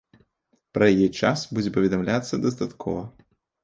Пра яе час будзе паведамляцца дадаткова.